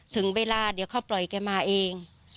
ถึงเวลาเดี๋ยวเขาปล่อยแกมาเอง